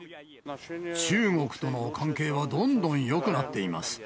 中国との関係はどんどんよくなっています。